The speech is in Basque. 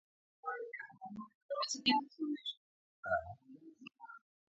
Guretzat, behintzat, hala izango da.